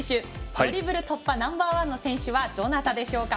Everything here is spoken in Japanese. ドリブル突破ナンバー１の選手はどなたでしょうか？